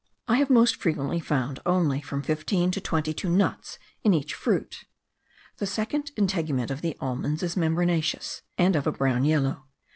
I have most frequently found only from fifteen to twenty two nuts in each fruit. The second tegument of the almonds is membranaceous, and of a brown yellow.